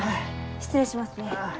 失礼しますね。